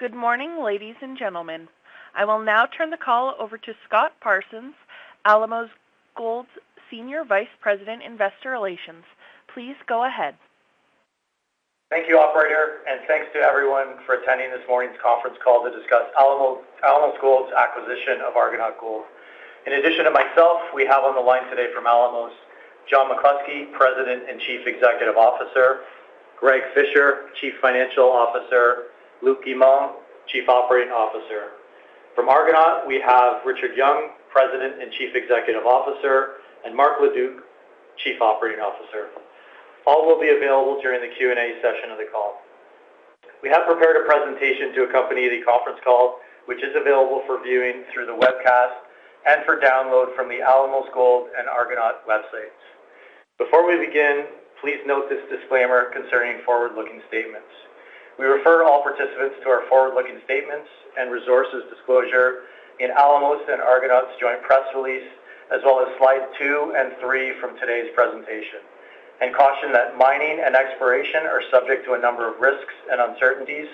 Good morning, ladies and gentlemen. I will now turn the call over to Scott Parsons, Alamos Gold's Senior Vice President, Investor Relations. Please go ahead. Thank you, Operator, and thanks to everyone for attending this morning's conference call to discuss Alamos Gold's acquisition of Argonaut Gold. In addition to myself, we have on the line today from Alamos, John McCluskey, President and Chief Executive Officer; Greg Fisher, Chief Financial Officer; Luc Guimond, Chief Operating Officer. From Argonaut, we have Richard Young, President and Chief Executive Officer; and Marc Leduc, Chief Operating Officer. All will be available during the Q&A session of the call. We have prepared a presentation to accompany the conference call, which is available for viewing through the webcast and for download from the Alamos Gold and Argonaut websites. Before we begin, please note this disclaimer concerning forward-looking statements. We refer all participants to our forward-looking statements and resources disclosure in Alamos Gold and Argonaut Gold's joint press release, as well as slides two and three from today's presentation, and caution that mining and exploration are subject to a number of risks and uncertainties,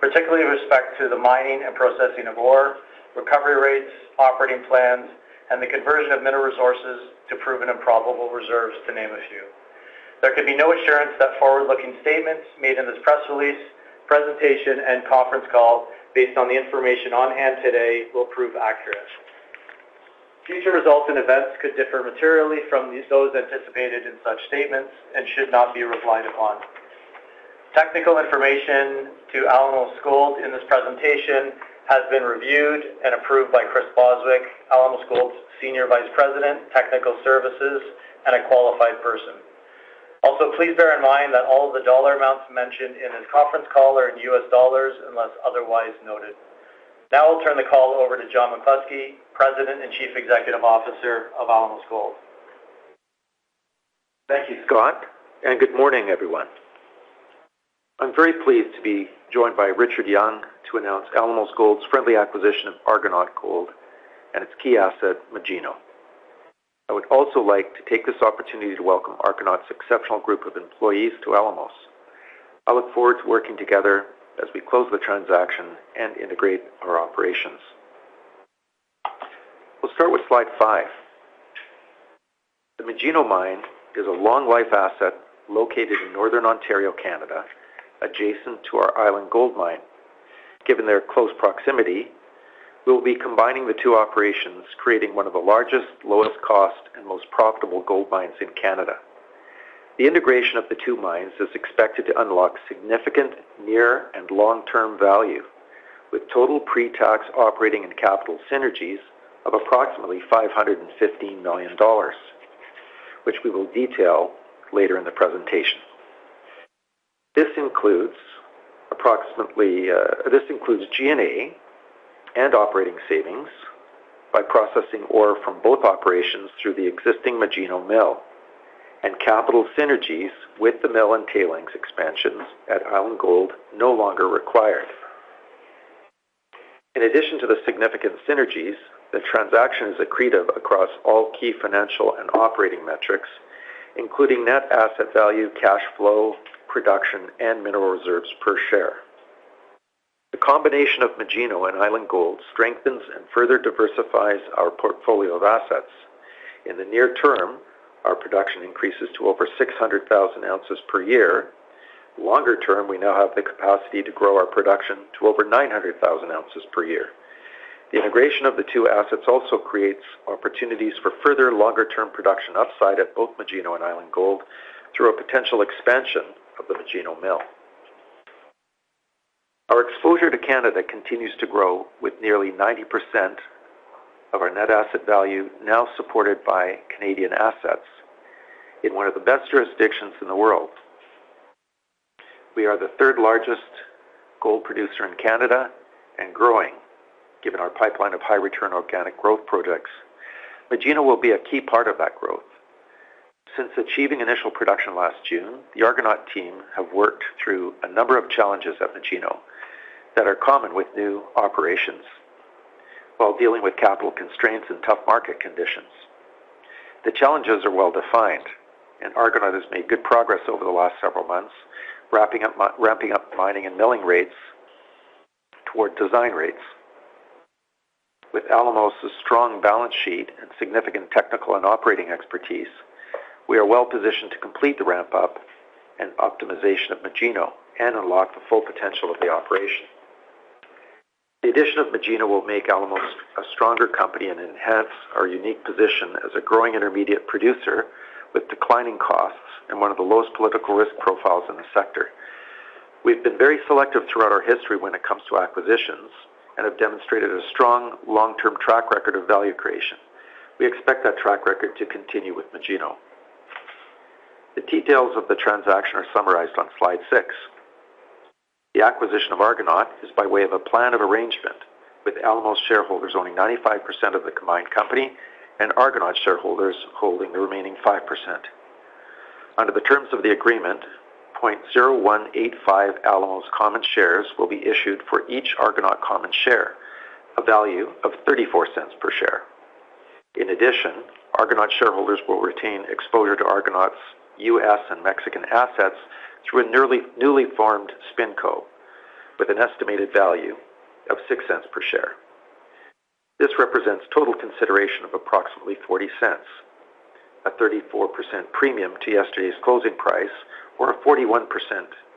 particularly with respect to the mining and processing of ore, recovery rates, operating plans, and the conversion of mineral resources to proven and probable reserves, to name a few. There could be no assurance that forward-looking statements made in this press release, presentation, and conference call, based on the information on hand today, will prove accurate. Future results and events could differ materially from those anticipated in such statements and should not be relied upon. Technical information to Alamos Gold in this presentation has been reviewed and approved by Chris Bostwick, Alamos Gold's Senior Vice President, Technical Services, and a qualified person. Also, please bear in mind that all of the dollar amounts mentioned in this conference call are in U.S. dollars unless otherwise noted. Now I'll turn the call over to John McCluskey, President and Chief Executive Officer of Alamos Gold. Thank you, Scott, and good morning, everyone. I'm very pleased to be joined by Richard Young to announce Alamos Gold's friendly acquisition of Argonaut Gold and its key asset, Magino. I would also like to take this opportunity to welcome Argonaut's exceptional group of employees to Alamos. I look forward to working together as we close the transaction and integrate our operations. We'll start with slide five. The Magino Mine is a long-life asset located in Northern Ontario, Canada, adjacent to our Island Gold Mine. Given their close proximity, we will be combining the two operations, creating one of the largest, lowest cost, and most profitable gold mines in Canada. The integration of the two mines is expected to unlock significant near- and long-term value, with total pre-tax operating and capital synergies of approximately $515 million, which we will detail later in the presentation. This includes G&A and operating savings by processing ore from both operations through the existing Magino mill, and capital synergies with the mill and tailings expansions at Island Gold no longer required. In addition to the significant synergies, the transaction is accretive across all key financial and operating metrics, including net asset value, cash flow, production, and mineral reserves per share. The combination of Magino and Island Gold strengthens and further diversifies our portfolio of assets. In the near term, our production increases to over 600,000 ounces per year. Longer term, we now have the capacity to grow our production to over 900,000 ounces per year. The integration of the two assets also creates opportunities for further longer-term production upside at both Magino and Island Gold through a potential expansion of the Magino mill. Our exposure to Canada continues to grow, with nearly 90% of our net asset value now supported by Canadian assets in one of the best jurisdictions in the world. We are the third-largest gold producer in Canada and growing, given our pipeline of high-return organic growth projects. Magino will be a key part of that growth. Since achieving initial production last June, the Argonaut team have worked through a number of challenges at Magino that are common with new operations while dealing with capital constraints and tough market conditions. The challenges are well-defined, and Argonaut has made good progress over the last several months, ramping up mining and milling rates toward design rates. With Alamos's strong balance sheet and significant technical and operating expertise, we are well-positioned to complete the ramp-up and optimization of Magino and unlock the full potential of the operation. The addition of Magino will make Alamos a stronger company and enhance our unique position as a growing intermediate producer with declining costs and one of the lowest political risk profiles in the sector. We've been very selective throughout our history when it comes to acquisitions and have demonstrated a strong long-term track record of value creation. We expect that track record to continue with Magino. The details of the transaction are summarized on slide six. The acquisition of Argonaut is by way of a Plan of Arrangement, with Alamos shareholders owning 95% of the combined company and Argonaut shareholders holding the remaining 5%. Under the terms of the agreement, 0.0185 Alamos common shares will be issued for each Argonaut common share, a value of $0.34 per share. In addition, Argonaut shareholders will retain exposure to Argonaut's U.S. and Mexican assets through a newly formed SpinCo with an estimated value of $0.06 per share. This represents total consideration of approximately $0.40, a 34% premium to yesterday's closing price, or a 41%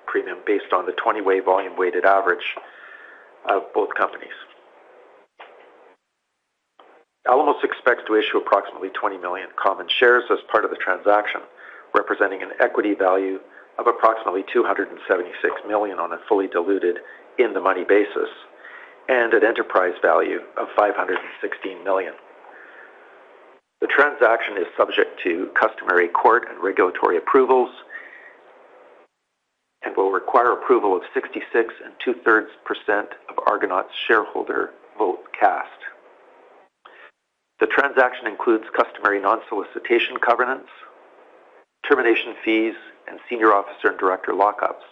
premium based on the 20-day volume-weighted average of both companies. Alamos expects to issue approximately 20 million common shares as part of the transaction, representing an equity value of approximately $276 million on a fully diluted in-the-money basis and an enterprise value of $516 million. The transaction is subject to customary court and regulatory approvals and will require approval of 66 2/3% of Argonaut's shareholder vote cast. The transaction includes customary non-solicitation covenants, termination fees, and senior officer and director lockups.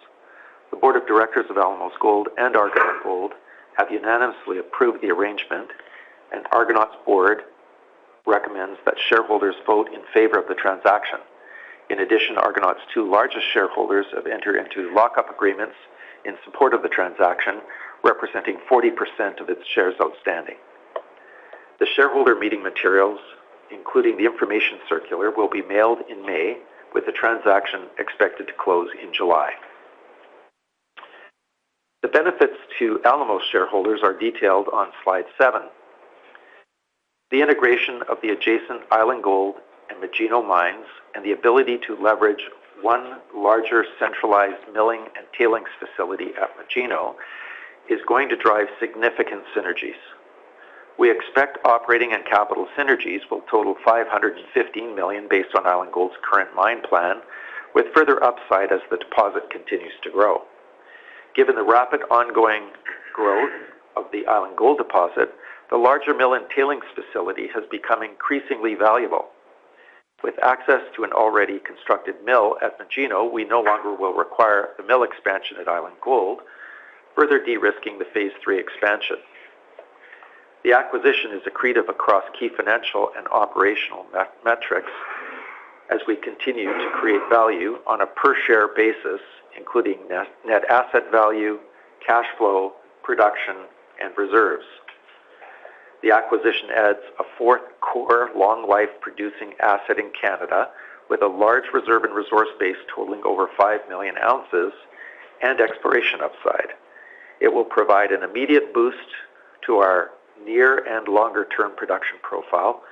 The board of directors of Alamos Gold and Argonaut Gold have unanimously approved the arrangement, and Argonaut's board recommends that shareholders vote in favor of the transaction. In addition, Argonaut's two largest shareholders have entered into lockup agreements in support of the transaction, representing 40% of its shares outstanding. The shareholder meeting materials, including the Information Circular, will be mailed in May, with the transaction expected to close in July. The benefits to Alamos shareholders are detailed on slide seven. The integration of the adjacent Island Gold and Magino mines and the ability to leverage one larger centralized milling and tailings facility at Magino is going to drive significant synergies. We expect operating and capital synergies will total $515 million based on Island Gold's current mine plan, with further upside as the deposit continues to grow. Given the rapid ongoing growth of the Island Gold deposit, the larger mill and tailings facility has become increasingly valuable. With access to an already constructed mill at Magino, we no longer will require the mill expansion at Island Gold, further de-risking the phase III expansion. The acquisition is accretive across key financial and operational metrics as we continue to create value on a per-share basis, including net asset value, cash flow, production, and reserves. The acquisition adds a fourth core long-life producing asset in Canada, with a large reserve and resource base totaling over five million ounces and exploration upside. It will provide an immediate boost to our near- and longer-term production profile,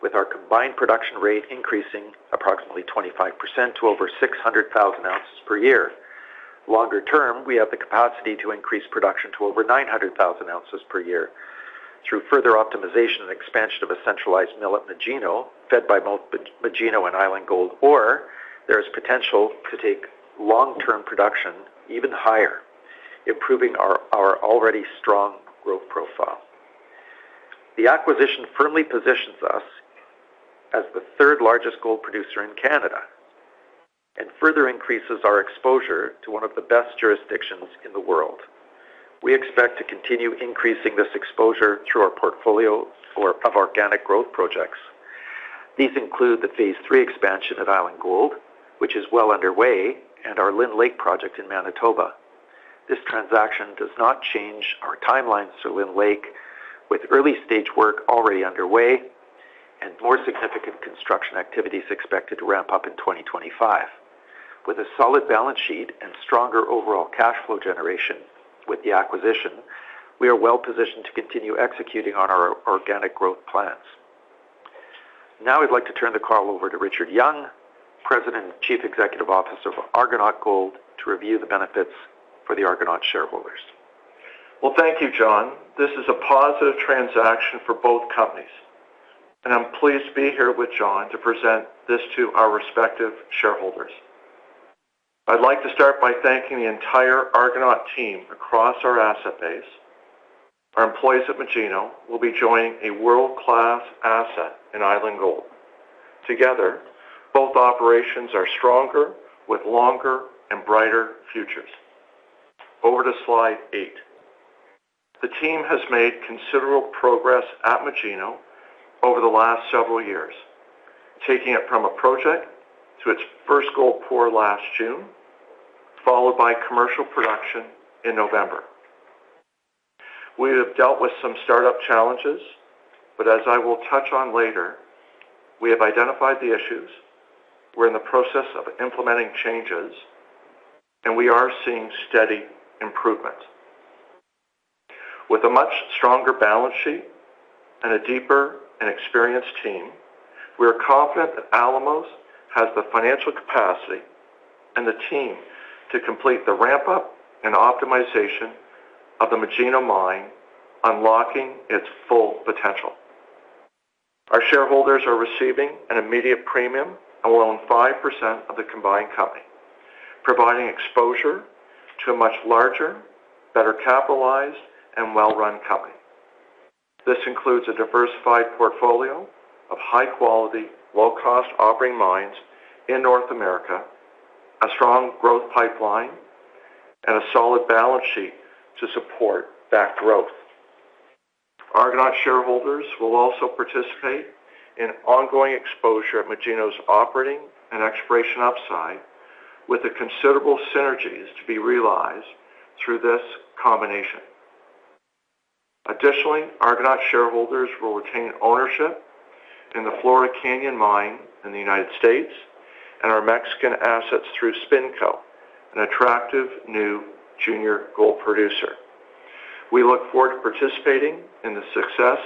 with our combined production rate increasing approximately 25% to over 600,000 ounces per year. Longer term, we have the capacity to increase production to over 900,000 ounces per year. Through further optimization and expansion of a centralized mill at Magino, fed by both Magino and Island Gold ore, there is potential to take long-term production even higher, improving our already strong growth profile. The acquisition firmly positions us as the third-largest gold producer in Canada and further increases our exposure to one of the best jurisdictions in the world. We expect to continue increasing this exposure through our portfolio of organic growth projects. These include the phase III expansion at Island Gold, which is well underway, and our Lynn Lake project in Manitoba. This transaction does not change our timelines for Lynn Lake, with early-stage work already underway and more significant construction activities expected to ramp up in 2025. With a solid balance sheet and stronger overall cash flow generation with the acquisition, we are well-positioned to continue executing on our organic growth plans. Now I'd like to turn the call over to Richard Young, President and Chief Executive Officer of Argonaut Gold, to review the benefits for the Argonaut shareholders. Well, thank you, John. This is a positive transaction for both companies, and I'm pleased to be here with John to present this to our respective shareholders. I'd like to start by thanking the entire Argonaut team across our asset base. Our employees at Magino will be joining a world-class asset in Island Gold. Together, both operations are stronger, with longer and brighter futures. Over to slide eigth. The team has made considerable progress at Magino over the last several years, taking it from a project to its first gold pour last June, followed by commercial production in November. We have dealt with some startup challenges, but as I will touch on later, we have identified the issues, we're in the process of implementing changes, and we are seeing steady improvement. With a much stronger balance sheet and a deeper and experienced team, we are confident that Alamos has the financial capacity and the team to complete the ramp-up and optimization of the Magino mine, unlocking its full potential. Our shareholders are receiving an immediate premium and will own 5% of the combined company, providing exposure to a much larger, better capitalized, and well-run company. This includes a diversified portfolio of high-quality, low-cost operating mines in North America, a strong growth pipeline, and a solid balance sheet to support that growth. Argonaut shareholders will also participate in ongoing exposure at Magino's operating and exploration upside, with considerable synergies to be realized through this combination. Additionally, Argonaut shareholders will retain ownership in the Florida Canyon Mine in the United States and our Mexican assets through SpinCo, an attractive new junior gold producer. We look forward to participating in the success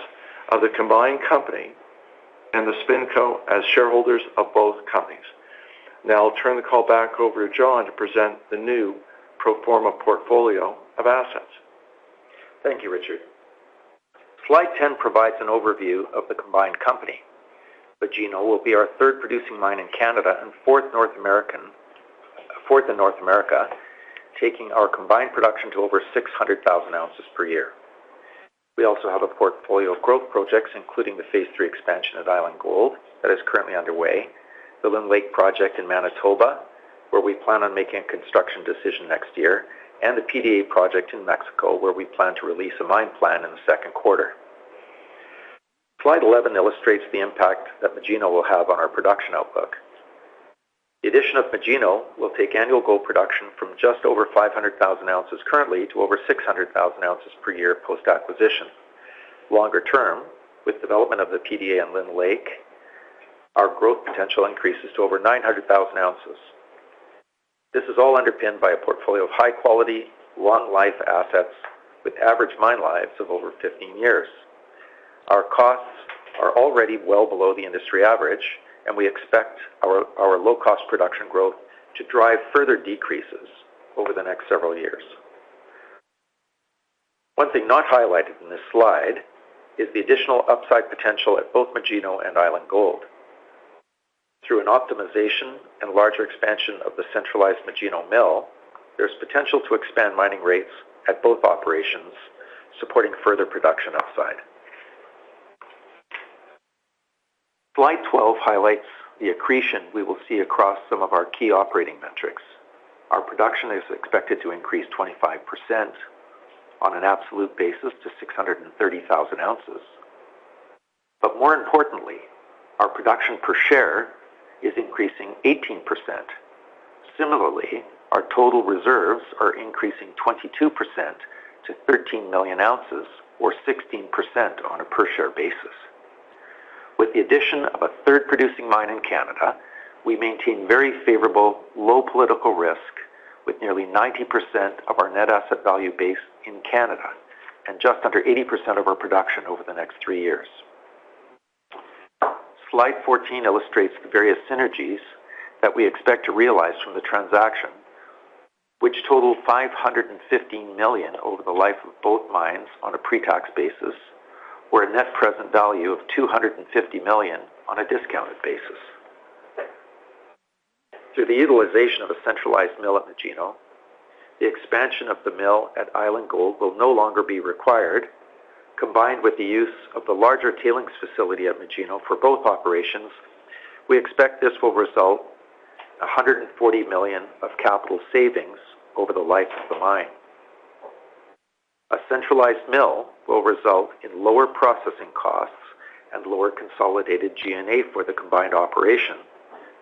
of the combined company and the SpinCo as shareholders of both companies. Now I'll turn the call back over to John to present the new pro forma portfolio of assets. Thank you, Richard. Slide 10 provides an overview of the combined company. Magino will be our third producing mine in Canada and fourth in North America, taking our combined production to over 600,000 ounces per year. We also have a portfolio of growth projects, including the phase III expansion at Island Gold that is currently underway, the Lynn Lake project in Manitoba, where we plan on making a construction decision next year, and the PDA project in Mexico, where we plan to release a mine plan in the second quarter. Slide 11 illustrates the impact that Magino will have on our production outlook. The addition of Magino will take annual gold production from just over 500,000 ounces currently to over 600,000 ounces per year post-acquisition. Longer term, with development of the PDA and Lynn Lake, our growth potential increases to over 900,000 ounces. This is all underpinned by a portfolio of high-quality, long-life assets with average mine lives of over 15 years. Our costs are already well below the industry average, and we expect our low-cost production growth to drive further decreases over the next several years. One thing not highlighted in this slide is the additional upside potential at both Magino and Island Gold. Through an optimization and larger expansion of the centralized Magino mill, there's potential to expand mining rates at both operations, supporting further production upside. Slide 12 highlights the accretion we will see across some of our key operating metrics. Our production is expected to increase 25% on an absolute basis to 630,000 ounces. But more importantly, our production per share is increasing 18%. Similarly, our total reserves are increasing 22% to 13 million ounces, or 16% on a per-share basis. With the addition of a third producing mine in Canada, we maintain very favorable low political risk, with nearly 90% of our net asset value based in Canada and just under 80% of our production over the next three years. Slide 14 illustrates the various synergies that we expect to realize from the transaction, which totaled $515 million over the life of both mines on a pre-tax basis, or a net present value of $250 million on a discounted basis. Through the utilization of a centralized mill at Magino, the expansion of the mill at Island Gold will no longer be required. Combined with the use of the larger tailings facility at Magino for both operations, we expect this will result in $140 million of capital savings over the life of the mine. A centralized mill will result in lower processing costs and lower consolidated G&A for the combined operation,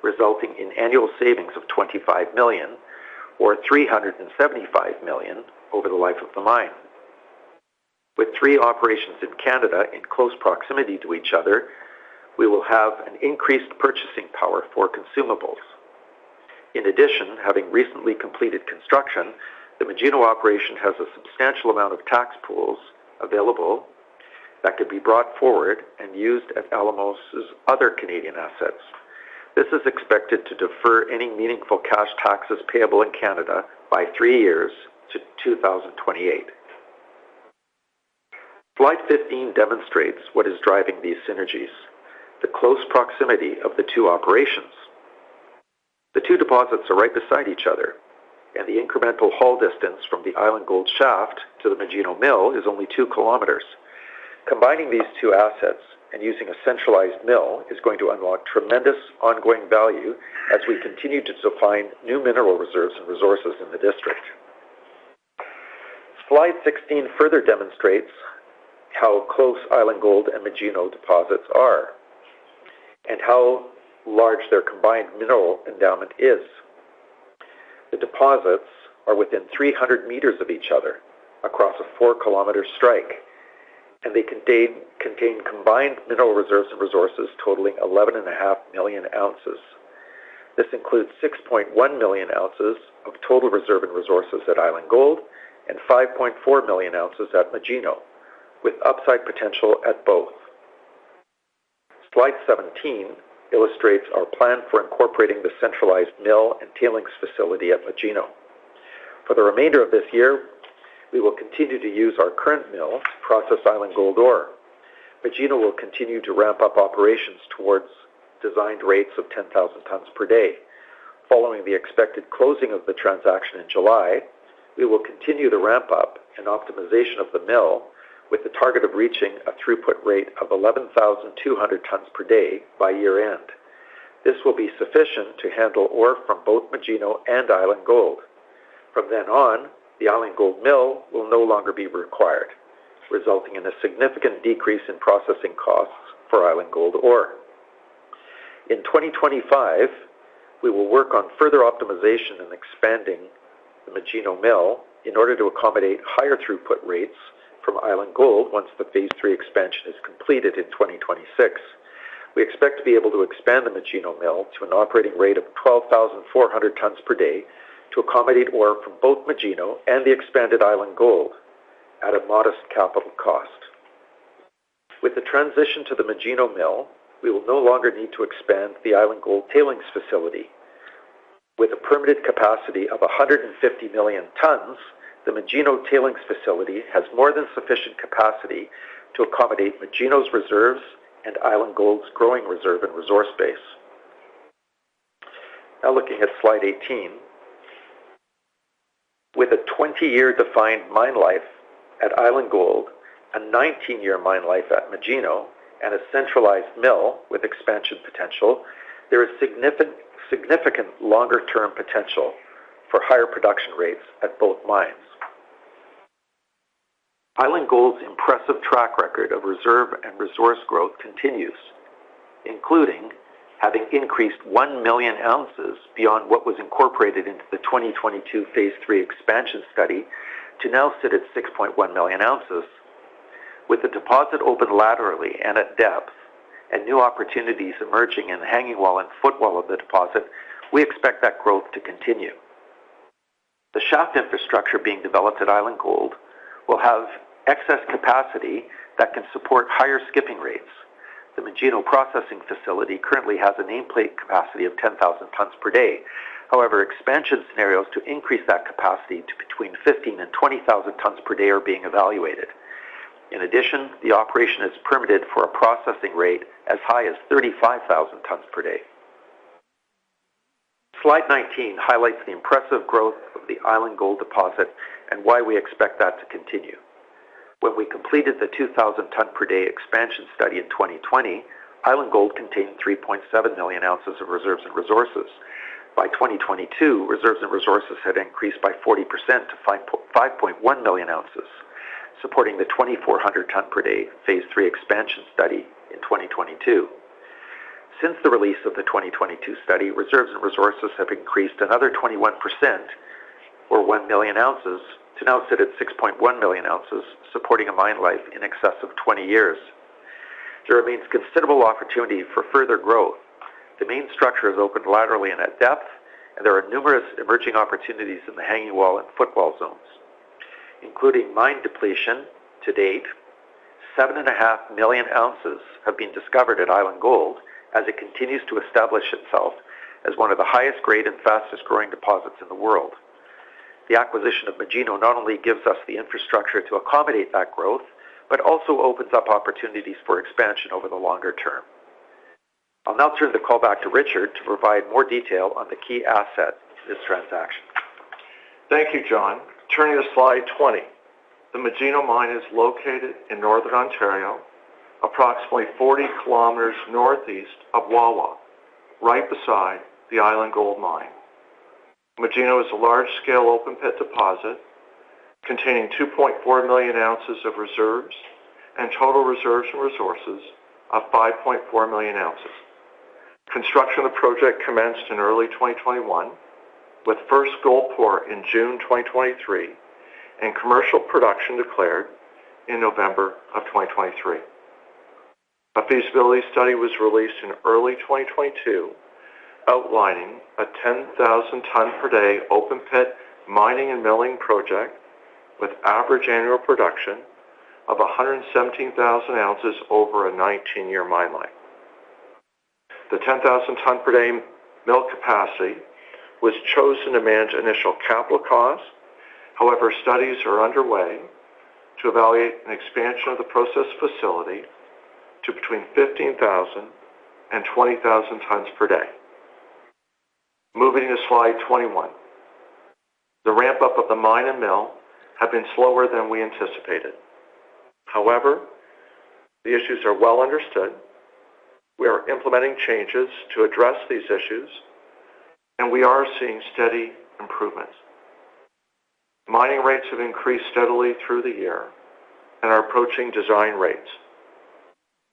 resulting in annual savings of $25 million, or $375 million, over the life of the mine. With three operations in Canada in close proximity to each other, we will have an increased purchasing power for consumables. In addition, having recently completed construction, the Magino operation has a substantial amount of tax pools available that could be brought forward and used at Alamos's other Canadian assets. This is expected to defer any meaningful cash taxes payable in Canada by three years to 2028. Slide 15 demonstrates what is driving these synergies: the close proximity of the two operations. The two deposits are right beside each other, and the incremental haul distance from the Island Gold shaft to the Magino mill is only two km. Combining these two assets and using a centralized mill is going to unlock tremendous ongoing value as we continue to define new mineral reserves and resources in the district. Slide 16 further demonstrates how close Island Gold and Magino deposits are and how large their combined mineral endowment is. The deposits are within 300 meters of each other across a four kilometer strike, and they contain combined mineral reserves and resources totaling 11.5 million ounces. This includes 6.1 million ounces of total reserve and resources at Island Gold and 5.4 million ounces at Magino, with upside potential at both. Slide 17 illustrates our plan for incorporating the centralized mill and tailings facility at Magino. For the remainder of this year, we will continue to use our current mill to process Island Gold ore. Magino will continue to ramp up operations towards designed rates of 10,000 tons per day. Following the expected closing of the transaction in July, we will continue the ramp-up and optimization of the mill with the target of reaching a throughput rate of 11,200 tons per day by year-end. This will be sufficient to handle ore from both Magino and Island Gold. From then on, the Island Gold mill will no longer be required, resulting in a significant decrease in processing costs for Island Gold ore. In 2025, we will work on further optimization and expanding the Magino mill in order to accommodate higher throughput rates from Island Gold once the phase III expansion is completed in 2026. We expect to be able to expand the Magino mill to an operating rate of 12,400 tons per day to accommodate ore from both Magino and the expanded Island Gold at a modest capital cost. With the transition to the Magino mill, we will no longer need to expand the Island Gold tailings facility. With a permitted capacity of 150 million tons, the Magino tailings facility has more than sufficient capacity to accommodate Magino's reserves and Island Gold's growing reserve and resource base. Now looking at slide 18, with a 20-year defined mine life at Island Gold, a 19-year mine life at Magino, and a centralized mill with expansion potential, there is significant longer-term potential for higher production rates at both mines. Island Gold's impressive track record of reserve and resource growth continues, including having increased one million ounces beyond what was incorporated into the 2022 phase III expansion study to now sit at 6.1 million ounces. With the deposit open laterally and at depth, and new opportunities emerging in the hanging wall and footwall of the deposit, we expect that growth to continue. The shaft infrastructure being developed at Island Gold will have excess capacity that can support higher skipping rates. The Magino processing facility currently has a nameplate capacity of 10,000 tons per day. However, expansion scenarios to increase that capacity to between 15,000 and 20,000 tons per day are being evaluated. In addition, the operation is permitted for a processing rate as high as 35,000 tons per day. Slide 19 highlights the impressive growth of the Island Gold deposit and why we expect that to continue. When we completed the 2,000-ton-per-day expansion study in 2020, Island Gold contained 3.7 million ounces of reserves and resources. By 2022, reserves and resources had increased by 40% to 5.1 million ounces, supporting the 2,400-ton-per-day phase III expansion study in 2022. Since the release of the 2022 study, reserves and resources have increased another 21%, or 1 million ounces, to now sit at 6.1 million ounces, supporting a mine life in excess of 20 years. There remains considerable opportunity for further growth. The main structure is open laterally and at depth, and there are numerous emerging opportunities in the hanging wall and footwall zones, including mine depletion to date. 7.5 million ounces have been discovered at Island Gold as it continues to establish itself as one of the highest-grade and fastest-growing deposits in the world. The acquisition of Magino not only gives us the infrastructure to accommodate that growth, but also opens up opportunities for expansion over the longer term. I'll now turn the call back to Richard to provide more detail on the key assets to this transaction. Thank you, John. Turning to slide 20. The Magino Mine is located in Northern Ontario, approximately 40 km northeast of Wawa, right beside the Island Gold Mine. Magino is a large-scale open-pit deposit containing 2.4 million ounces of reserves and total reserves and resources of 5.4 million ounces. Construction of the project commenced in early 2021, with first gold pour in June 2023 and commercial production declared in November of 2023. A feasibility study was released in early 2022 outlining a 10,000-ton-per-day open-pit mining and milling project with average annual production of 117,000 ounces over a 19-year mine life. The 10,000-ton-per-day mill capacity was chosen to manage initial capital costs. However, studies are underway to evaluate an expansion of the process facility to between 15,000-20,000 tons per day. Moving to slide 21. The ramp-up of the mine and mill had been slower than we anticipated. However, the issues are well understood. We are implementing changes to address these issues, and we are seeing steady improvements. Mining rates have increased steadily through the year and are approaching design rates.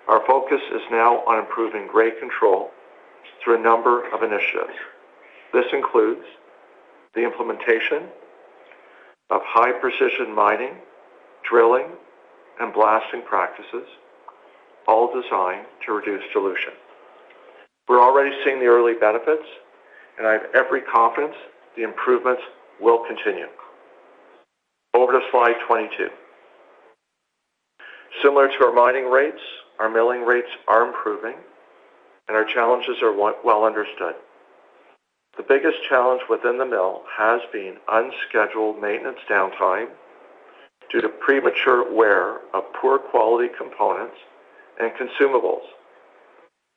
Our focus is now on improving grade control through a number of initiatives. This includes the implementation of high-precision mining, drilling, and blasting practices, all designed to reduce dilution. We're already seeing the early benefits, and I have every confidence the improvements will continue. Over to slide 22. Similar to our mining rates, our milling rates are improving, and our challenges are well understood. The biggest challenge within the mill has been unscheduled maintenance downtime due to premature wear of poor-quality components and consumables.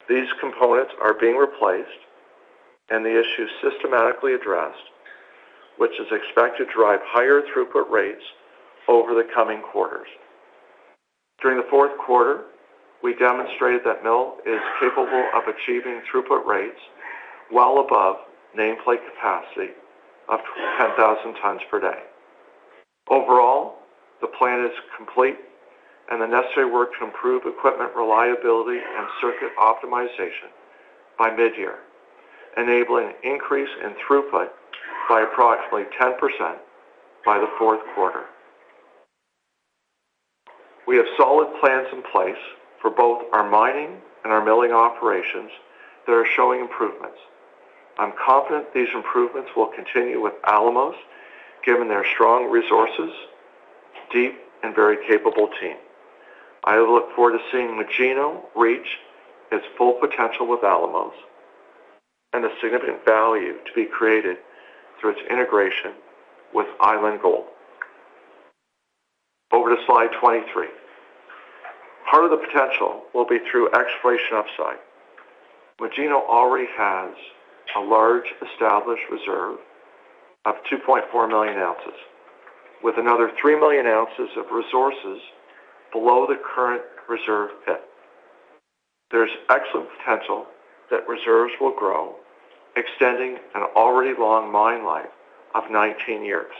These components are being replaced and the issue systematically addressed, which is expected to drive higher throughput rates over the coming quarters. During the fourth quarter, we demonstrated that mill is capable of achieving throughput rates well above nameplate capacity of 10,000 tons per day. Overall, the plan is complete, and the necessary work to improve equipment reliability and circuit optimization by mid-year, enabling an increase in throughput by approximately 10% by the fourth quarter. We have solid plans in place for both our mining and our milling operations that are showing improvements. I'm confident these improvements will continue with Alamos given their strong resources, deep, and very capable team. I look forward to seeing Magino reach its full potential with Alamos and the significant value to be created through its integration with Island Gold. Over to slide 23. Part of the potential will be through exploration upside. Magino already has a large established reserve of 2.4 million ounces, with another three million ounces of resources below the current reserve pit. There's excellent potential that reserves will grow, extending an already long mine life of 19 years.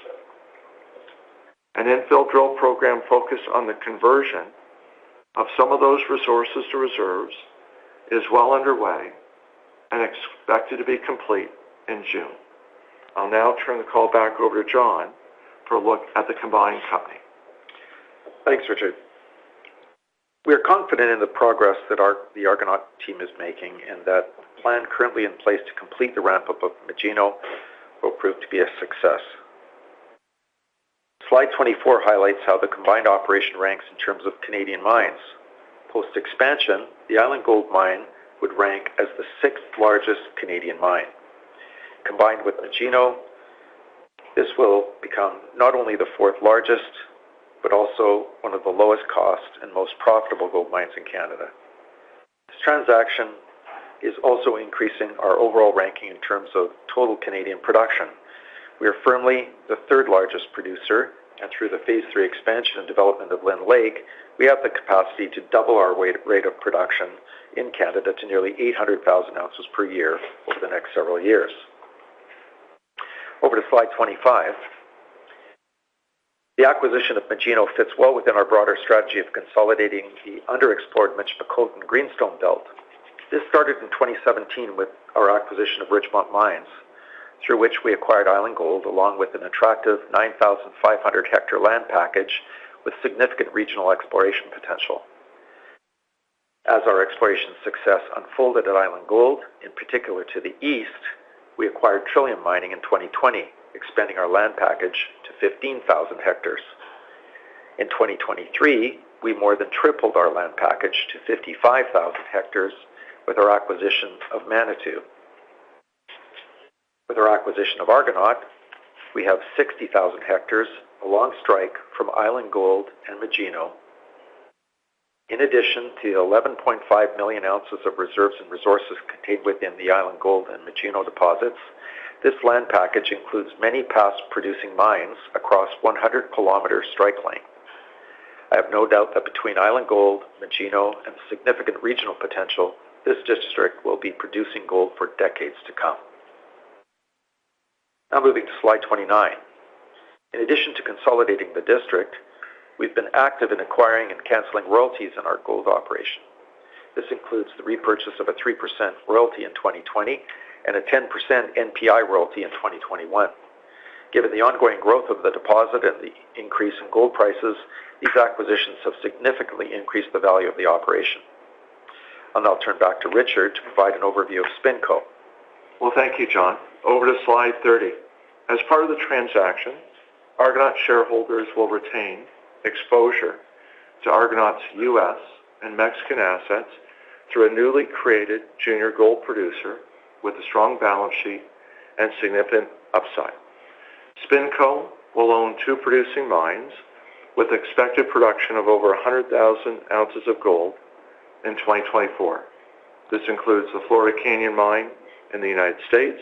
An infill drill program focused on the conversion of some of those resources to reserves is well underway and expected to be complete in June. I'll now turn the call back over to John for a look at the combined company. Thanks, Richard. We are confident in the progress that the Argonaut team is making and that the plan currently in place to complete the ramp-up of Magino will prove to be a success. Slide 24 highlights how the combined operation ranks in terms of Canadian mines. Post-expansion, the Island Gold Mine would rank as the sixth-largest Canadian mine. Combined with Magino, this will become not only the fourth-largest but also one of the lowest-cost and most profitable gold mines in Canada. This transaction is also increasing our overall ranking in terms of total Canadian production. We are firmly the third-largest producer, and through the phase III expansion and development of Lynn Lake, we have the capacity to double our rate of production in Canada to nearly 800,000 ounces per year over the next several years. Over to slide 25. The acquisition of Magino fits well within our broader strategy of consolidating the underexplored Michipicoten Greenstone Belt. This started in 2017 with our acquisition of Richmont Mines, through which we acquired Island Gold along with an attractive 9,500-hectare land package with significant regional exploration potential. As our exploration success unfolded at Island Gold, in particular to the east, we acquired Trillium Mining in 2020, expanding our land package to 15,000 hectares. In 2023, we more than tripled our land package to 55,000 hectares with our acquisition of Manitou. With our acquisition of Argonaut, we have 60,000 hectares along strike from Island Gold and Magino. In addition to the 11.5 million ounces of reserves and resources contained within the Island Gold and Magino deposits, this land package includes many past-producing mines across 100-kilometer strike length. I have no doubt that between Island Gold, Magino, and significant regional potential, this district will be producing gold for decades to come. Now moving to slide 29. In addition to consolidating the district, we've been active in acquiring and canceling royalties in our gold operation. This includes the repurchase of a 3% royalty in 2020 and a 10% NPI royalty in 2021. Given the ongoing growth of the deposit and the increase in gold prices, these acquisitions have significantly increased the value of the operation. I'll now turn back to Richard to provide an overview of SpinCo. Well, thank you, John. Over to slide 30. As part of the transaction, Argonaut shareholders will retain exposure to Argonaut's US and Mexican assets through a newly created junior gold producer with a strong balance sheet and significant upside. SpinCo will own two producing mines with expected production of over 100,000 ounces of gold in 2024. This includes the Florida Canyon Mine in the United States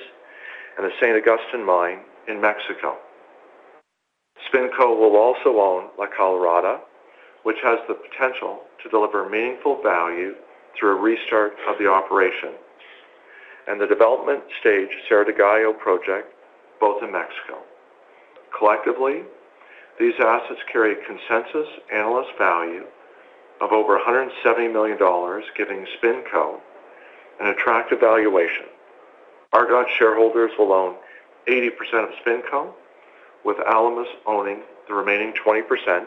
and the San Agustin Mine in Mexico. SpinCo will also own La Colorada, which has the potential to deliver meaningful value through a restart of the operation and the development stage Cerro del Gallo project, both in Mexico. Collectively, these assets carry a consensus analyst value of over $170 million, giving SpinCo an attractive valuation. Argonaut shareholders will own 80% of SpinCo, with Alamos owning the remaining 20%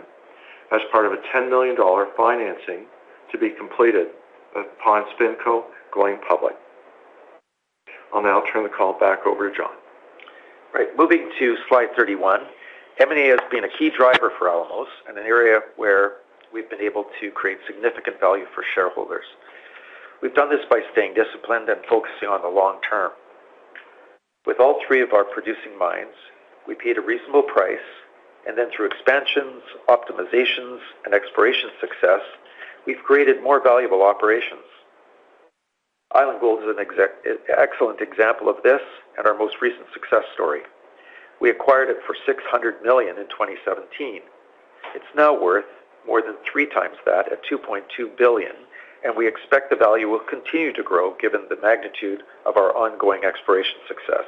as part of a $10 million financing to be completed upon SpinCo going public. I'll now turn the call back over to John. Right. Moving to slide 31. M&A has been a key driver for Alamos and an area where we've been able to create significant value for shareholders. We've done this by staying disciplined and focusing on the long term. With all three of our producing mines, we paid a reasonable price, and then through expansions, optimizations, and exploration success, we've created more valuable operations. Island Gold is an excellent example of this and our most recent success story. We acquired it for $600 million in 2017. It's now worth more than three times that at $2.2 billion, and we expect the value will continue to grow given the magnitude of our ongoing exploration success.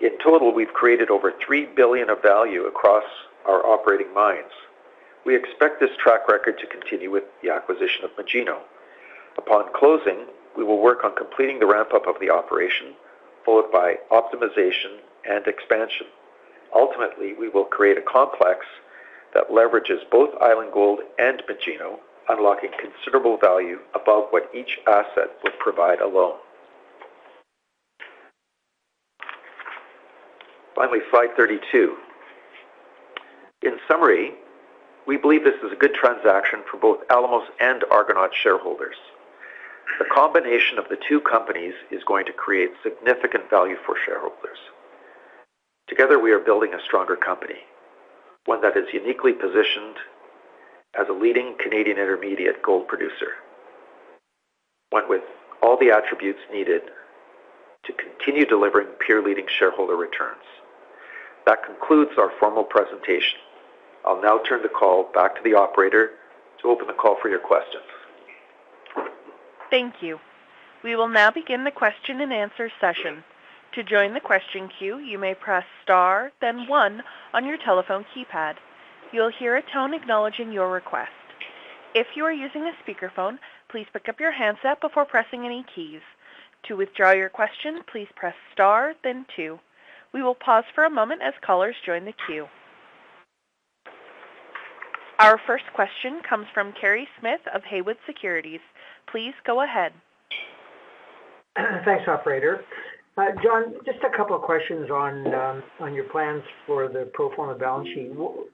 In total, we've created over $3 billion of value across our operating mines. We expect this track record to continue with the acquisition of Magino. Upon closing, we will work on completing the ramp-up of the operation, followed by optimization and expansion. Ultimately, we will create a complex that leverages both Island Gold and Magino, unlocking considerable value above what each asset would provide alone. Finally, Slide 32. In summary, we believe this is a good transaction for both Alamos and Argonaut shareholders. The combination of the two companies is going to create significant value for shareholders. Together, we are building a stronger company, one that is uniquely positioned as a leading Canadian intermediate gold producer, one with all the attributes needed to continue delivering peer-leading shareholder returns. That concludes our formal presentation. I'll now turn the call back to the operator to open the call for your questions. Thank you. We will now begin the question-and-answer session. To join the question queue, you may press star, then one on your telephone keypad. You'll hear a tone acknowledging your request. If you are using a speakerphone, please pick up your handset before pressing any keys. To withdraw your question, please press star, then two. We will pause for a moment as callers join the queue. Our first question comes from Kerry Smith of Haywood Securities. Please go ahead. Thanks, operator. John, just a couple of questions on your plans for the pro forma balance sheet.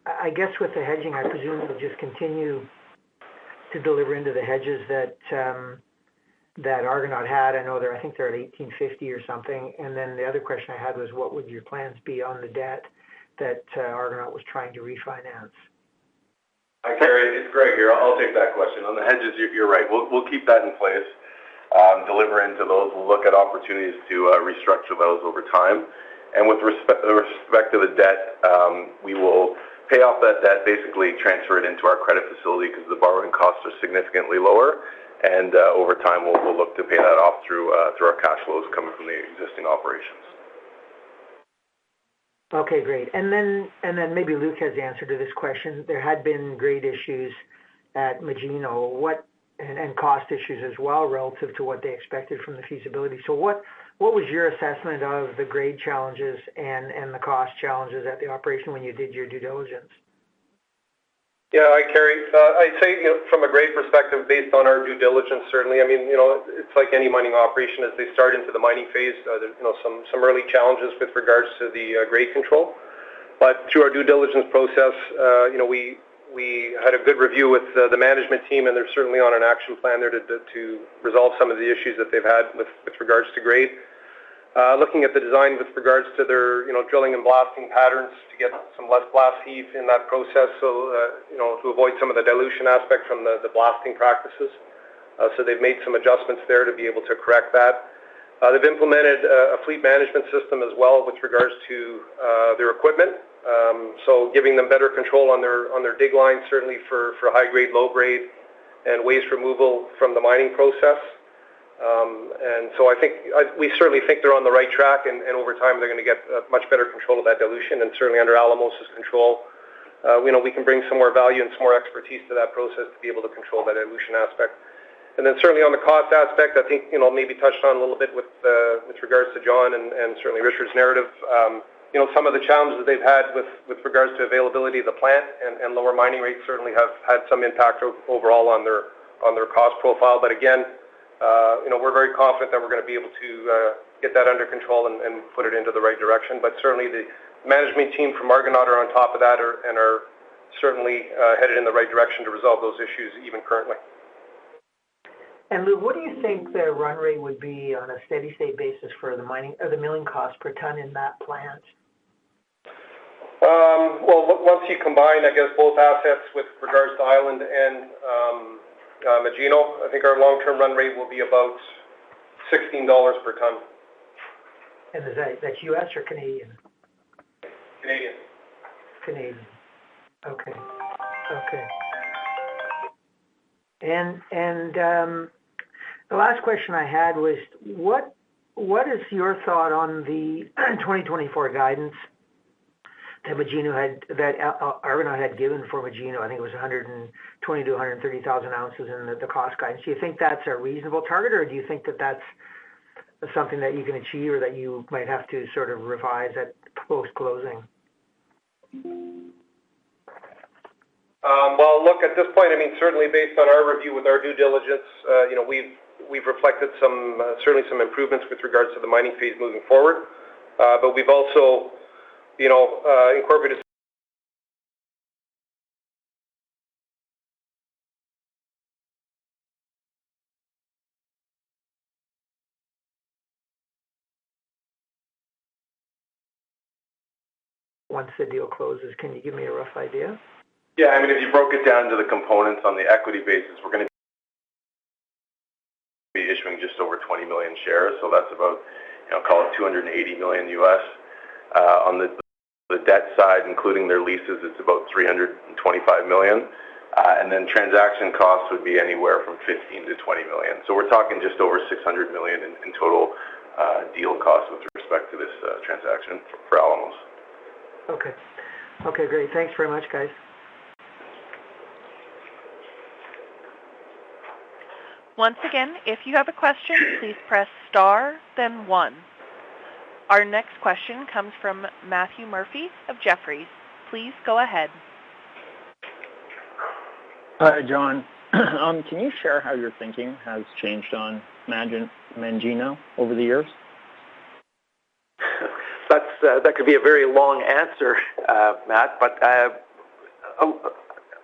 I guess with the hedging, I presume you'll just continue to deliver into the hedges that Argonaut had. I think they're at $1,850 or something. And then the other question I had was, what would your plans be on the debt that Argonaut was trying to refinance? Hi, Kerry. It's Greg here. I'll take that question. On the hedges, you're right. We'll keep that in place, deliver into those. We'll look at opportunities to restructure those over time. With respect to the debt, we will pay off that debt, basically transfer it into our credit facility because the borrowing costs are significantly lower, and over time, we'll look to pay that off through our cash flows coming from the existing operations. Okay, great. And then maybe Luc has answered to this question. There had been grade issues at Magino and cost issues as well relative to what they expected from the feasibility. So what was your assessment of the grade challenges and the cost challenges at the operation when you did your due diligence? Yeah, hi, Kerry. I'd say from a grade perspective, based on our due diligence, certainly. I mean, it's like any mining operation. As they start into the mining phase, there are some early challenges with regards to the grade control. But through our due diligence process, we had a good review with the management team, and they're certainly on an action plan there to resolve some of the issues that they've had with regards to grade. Looking at the design with regards to their drilling and blasting patterns to get some less blast heat in that process to avoid some of the dilution aspect from the blasting practices. So they've made some adjustments there to be able to correct that. They've implemented a fleet management system as well with regards to their equipment, so giving them better control on their dig lines, certainly for high-grade, low-grade, and waste removal from the mining process. So I think we certainly think they're on the right track, and over time, they're going to get much better control of that dilution. Certainly, under Alamos's control, we can bring some more value and some more expertise to that process to be able to control that dilution aspect. Then certainly, on the cost aspect, I think maybe touched on a little bit with regards to John and certainly Richard's narrative, some of the challenges that they've had with regards to availability of the plant and lower mining rates certainly have had some impact overall on their cost profile. But again, we're very confident that we're going to be able to get that under control and put it into the right direction. But certainly, the management team from Argonaut are on top of that and are certainly headed in the right direction to resolve those issues even currently. Luc, what do you think the run rate would be on a steady-state basis for the milling cost per ton in that plant? Well, once you combine, I guess, both assets with regards to Island and Magino, I think our long-term run rate will be about $16 per ton. Is that U.S. or Canadian? Canadian. Okay. Okay. The last question I had was, what is your thought on the 2024 guidance that Argonaut had given for Magino? I think it was 120,000-130,000 ounces in the cost guidance. Do you think that's a reasonable target, or do you think that that's something that you can achieve or that you might have to sort of revise at post-closing? Well, look, at this point, I mean, certainly, based on our review with our due diligence, we've reflected certainly some improvements with regards to the mining phase moving forward. But we've also incorporated. Once the deal closes, can you give me a rough idea? Yeah. I mean, if you broke it down to the components on the equity basis, we're going to be issuing just over 20 million shares. So that's about, call it, $280 million. On the debt side, including their leases, it's about $325 million. And then transaction costs would be anywhere from $15 million-$20 million. So we're talking just over $600 million in total deal costs with respect to this transaction for Alamos. Okay. Okay, great. Thanks very much, guys. Once again, if you have a question, please press star, then one. Our next question comes from Matthew Murphy of Jefferies. Please go ahead. Hi, John. Can you share how your thinking has changed on Magino over the years? That could be a very long answer, Matt, but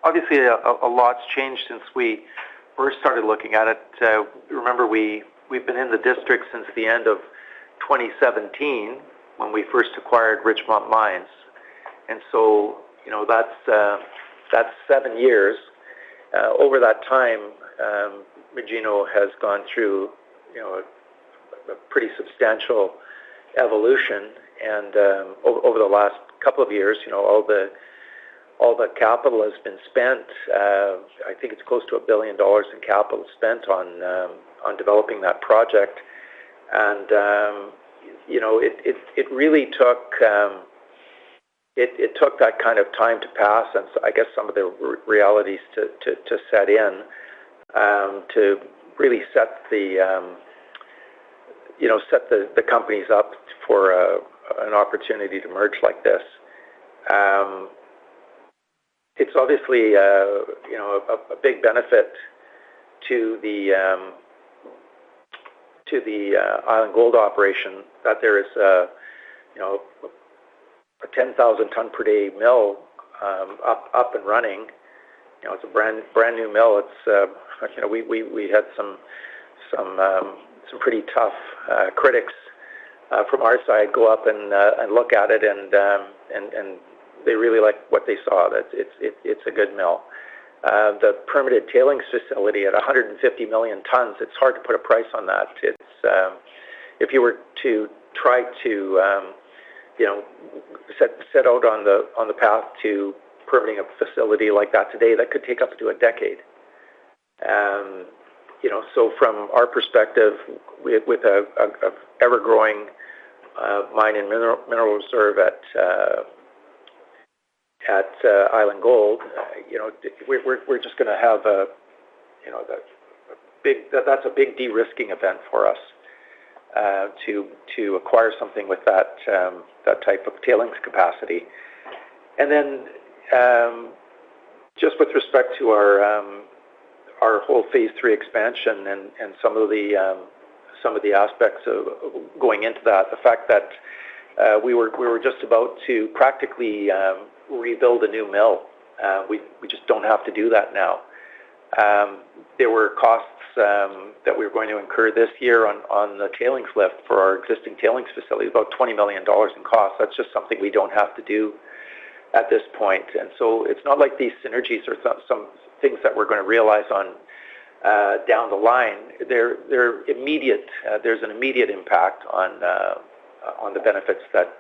obviously, a lot's changed since we first started looking at it. Remember, we've been in the district since the end of 2017 when we first acquired Richmont Mines. And so that's seven years. Over that time, Magino has gone through a pretty substantial evolution. And over the last couple of years, all the capital has been spent. I think it's close to $1 billion in capital spent on developing that project. And it really took that kind of time to pass and, I guess, some of the realities to set in to really set the companies up for an opportunity to merge like this. It's obviously a big benefit to the Island Gold operation that there is a 10,000-ton-per-day mill up and running. It's a brand new mill. We had some pretty tough critics from our side go up and look at it, and they really liked what they saw. It's a good mill. The permitted tailings facility at 150 million tons, it's hard to put a price on that. If you were to try to set out on the path to permitting a facility like that today, that could take up to a decade. So from our perspective, with an ever-growing mine and mineral reserve at Island Gold, we're just going to have a big that's a big de-risking event for us to acquire something with that type of tailings capacity. And then just with respect to our whole phase III expansion and some of the aspects of going into that, the fact that we were just about to practically rebuild a new mill. We just don't have to do that now. There were costs that we were going to incur this year on the tailings lift for our existing tailings facility, about $20 million in cost. That's just something we don't have to do at this point. And so it's not like these synergies are some things that we're going to realize down the line. They're immediate. There's an immediate impact on the benefits that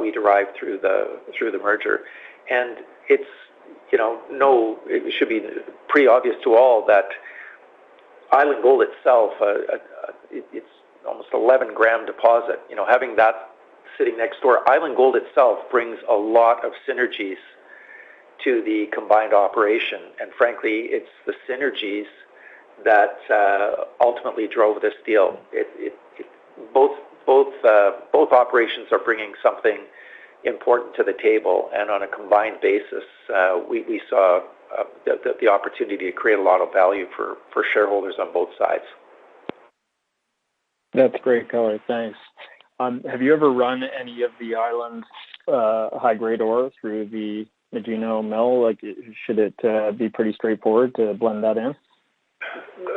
we derive through the merger. And it should be pretty obvious to all that Island Gold itself, it's almost 11-gram deposit. Having that sitting next door, Island Gold itself brings a lot of synergies to the combined operation. And frankly, it's the synergies that ultimately drove this deal. Both operations are bringing something important to the table, and on a combined basis, we saw the opportunity to create a lot of value for shareholders on both sides. That's great, color. Thanks. Have you ever run any of the Island high-grade ore through the Magino mill? Should it be pretty straightforward to blend that in?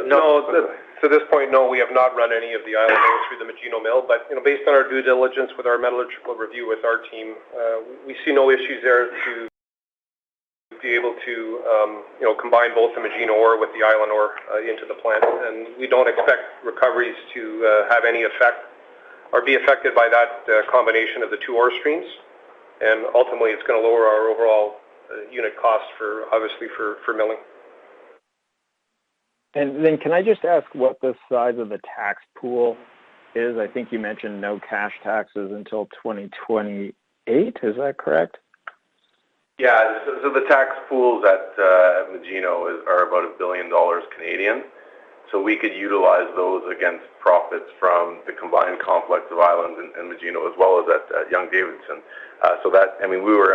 No. To this point, no, we have not run any of the Island ore through the Magino mill. But based on our due diligence with our metallurgical review with our team, we see no issues there to be able to combine both the Magino ore with the Island ore into the plant. And we don't expect recoveries to have any effect or be affected by that combination of the two ore streams. And ultimately, it's going to lower our overall unit cost, obviously, for milling. And then can I just ask what the size of the tax pool is? I think you mentioned no cash taxes until 2028. Is that correct? Yeah. So the tax pools at Magino are about one billion dollars. So we could utilize those against profits from the combined complex of Island and Magino as well as at Young-Davidson. So that, I mean, we were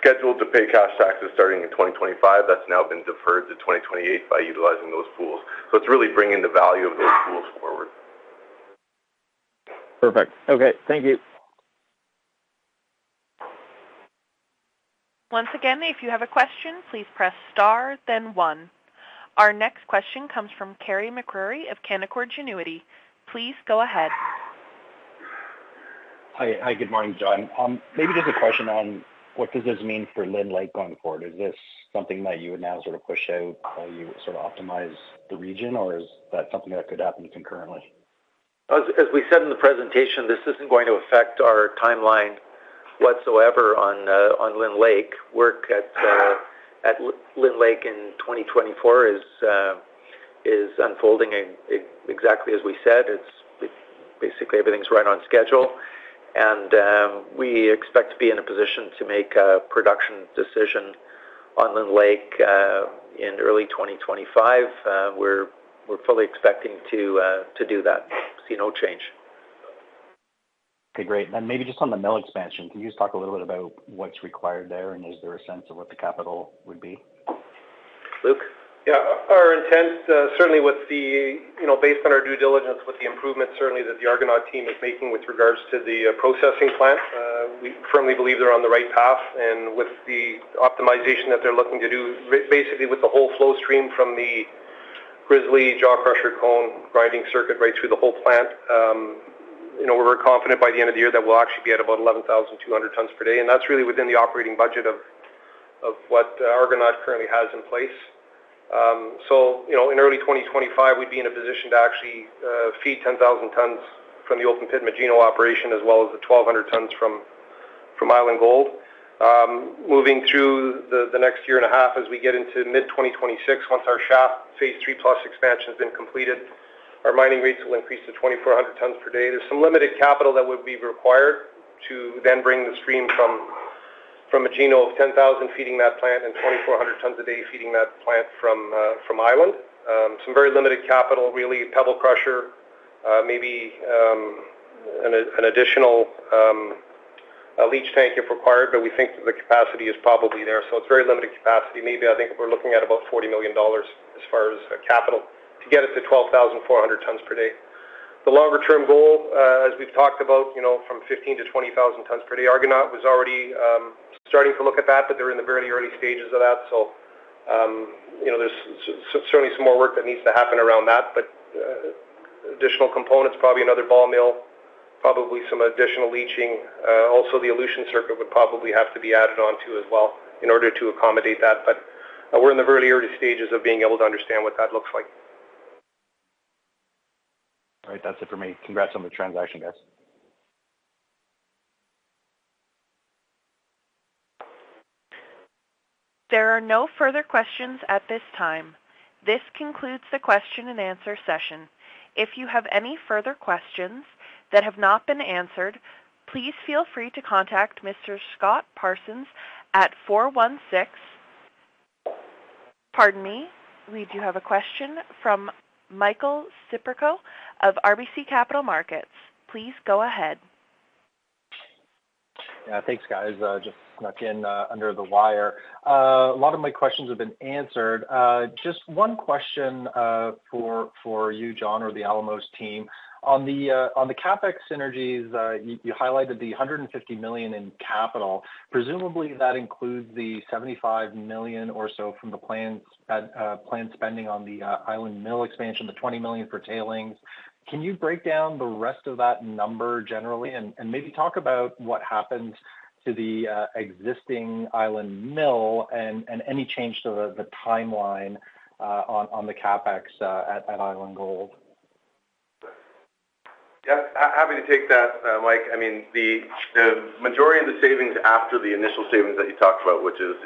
scheduled to pay cash taxes starting in 2025. That's now been deferred to 2028 by utilizing those pools. So it's really bringing the value of those pools forward. Perfect. Okay. Thank you. Once again, if you have a question, please press star, then one. Our next question comes from Carey MacRury of Canaccord Genuity. Please go ahead. Hi. Good morning, John. Maybe just a question on what does this mean for Lynn Lake going forward? Is this something that you would now sort of push out while you sort of optimize the region, or is that something that could happen concurrently? As we said in the presentation, this isn't going to affect our timeline whatsoever on Lynn Lake. Work at Lynn Lake in 2024 is unfolding exactly as we said. Basically, everything's right on schedule. We expect to be in a position to make a production decision on Lynn Lake in early 2025. We're fully expecting to do that. See no change. Okay, great. And then maybe just on the mill expansion, can you just talk a little bit about what's required there, and is there a sense of what the capital would be? Luc? Yeah. Our intent, certainly based on our due diligence with the improvements, certainly, that the Argonaut team is making with regards to the processing plant, we firmly believe they're on the right path. And with the optimization that they're looking to do, basically, with the whole flow stream from the Grizzly jaw crusher cone grinding circuit right through the whole plant, we're confident by the end of the year that we'll actually be at about 11,200 tons per day. And that's really within the operating budget of what Argonaut currently has in place. So in early 2025, we'd be in a position to actually feed 10,000 tons from the open pit Magino operation as well as the 1,200 tons from Island Gold. Moving through the next year and a half, as we get into mid-2026, once our Shaft Phase 3+ Expansion's been completed, our mining rates will increase to 2,400 tons per day. There's some limited capital that would be required to then bring the stream from Magino of 10,000 feeding that plant and 2,400 tons a day feeding that plant from Island. Some very limited capital, really, pebble crusher, maybe an additional leach tank if required, but we think that the capacity is probably there. So it's very limited capacity. Maybe, I think, we're looking at about $40 million as far as capital to get it to 12,400 tons per day. The longer-term goal, as we've talked about, from 15,000-20,000 tons per day, Argonaut was already starting to look at that, but they're in the very early stages of that. So there's certainly some more work that needs to happen around that. But additional components, probably another ball mill, probably some additional leaching. Also, the elution circuit would probably have to be added onto as well in order to accommodate that. But we're in the very early stages of being able to understand what that looks like. All right. That's it for me. Congrats on the transaction, guys. There are no further questions at this time. This concludes the question-and-answer session. If you have any further questions that have not been answered, please feel free to contact Mr. Scott Parsons at 416. Pardon me. We do have a question from Michael Siperco of RBC Capital Markets. Please go ahead. Yeah. Thanks, guys. Just snuck in under the wire. A lot of my questions have been answered. Just one question for you, John, or the Alamos team. On the CapEx synergies, you highlighted the $150 million in capital. Presumably, that includes the $75 million or so from the planned spending on the Island mill expansion, the $20 million for tailings. Can you break down the rest of that number generally and maybe talk about what happened to the existing Island mill and any change to the timeline on the CapEx at Island Gold? Yep. Happy to take that, Mike. I mean, the majority of the savings after the initial savings that you talked about, which is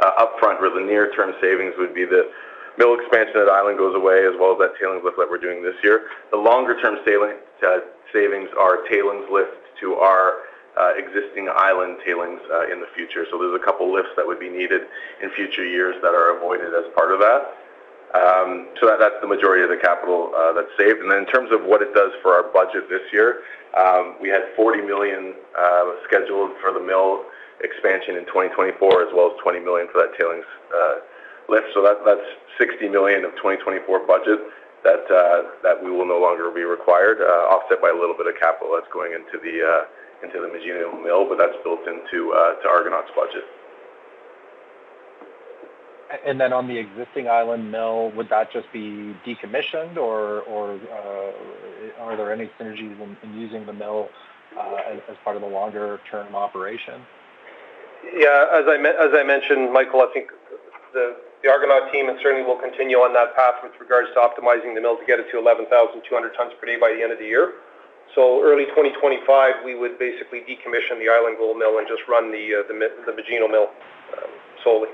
upfront or the near-term savings, would be the mill expansion at Island goes away as well as that tailings lift that we're doing this year. The longer-term savings are tailings lift to our existing Island tailings in the future. So there's a couple of lifts that would be needed in future years that are avoided as part of that. So that's the majority of the capital that's saved. And then in terms of what it does for our budget this year, we had $40 million scheduled for the mill expansion in 2024 as well as $20 million for that tailings lift. That's $60 million of 2024 budget that we will no longer be required, offset by a little bit of capital that's going into the Magino mill, but that's built into Argonaut's budget. On the existing Island mill, would that just be decommissioned, or are there any synergies in using the mill as part of the longer-term operation? Yeah. As I mentioned, Michael, I think the Argonaut team certainly will continue on that path with regards to optimizing the mill to get it to 11,200 tons per day by the end of the year. So early 2025, we would basically decommission the Island Gold mill and just run the Magino mill solely.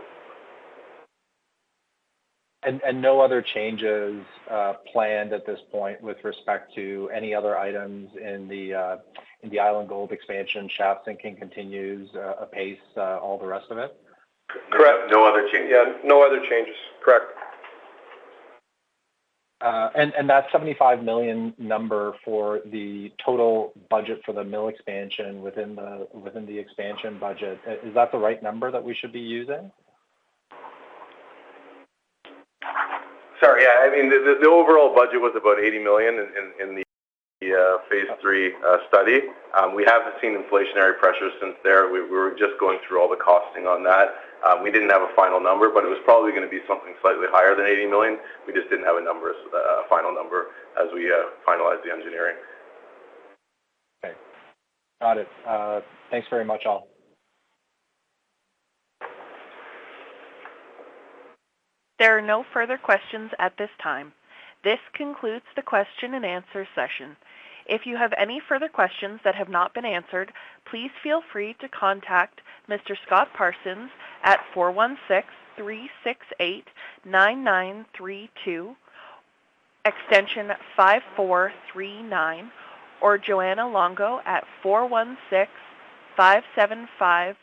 No other changes planned at this point with respect to any other items in the Island Gold expansion? Shaft sinking continues apace, all the rest of it? Correct. No other changes. Yeah. No other changes. Correct. That $75 million number for the total budget for the mill expansion within the expansion budget, is that the right number that we should be using? Sorry. Yeah. I mean, the overall budget was about $80 million in the phase three study. We haven't seen inflationary pressures since there. We were just going through all the costing on that. We didn't have a final number, but it was probably going to be something slightly higher than $80 million. We just didn't have a final number as we finalized the engineering. Okay. Got it. Thanks very much, all. There are no further questions at this time. This concludes the question-and-answer session. If you have any further questions that have not been answered, please feel free to contact Mr. Scott Parsons at 416-368-9932, extension 5439, or Joanna Longo at 416-575-6965.